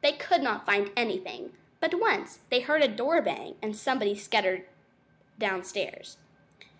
They could not find anything, but once they heard a door bang and somebody scuttered downstairs.